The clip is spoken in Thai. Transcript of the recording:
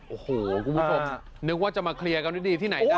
โอ้โหคุณผู้ชมนึกว่าจะมาเคลียร์กันดีที่ไหนได้